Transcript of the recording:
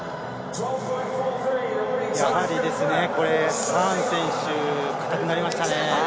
やはり、ハーン選手硬くなりましたね。